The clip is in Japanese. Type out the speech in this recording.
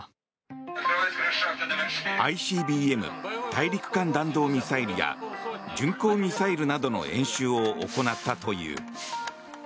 ＩＣＢＭ・大陸間弾道ミサイルや巡航ミサイルなどの演習を行ったという。